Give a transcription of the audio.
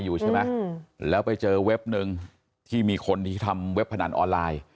อยู่ใช่ไหมแล้วไปเจอเว็บนึงที่มีคนที่ทำเว็บพนันออนไลน์